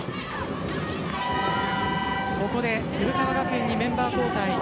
ここで古川学園にメンバー交代。